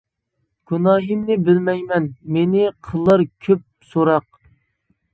گۇناھىمنى بىلمەيمەن، مېنى قىلار كۆپ سوراق.